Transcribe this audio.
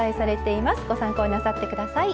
ご参考になさって下さい。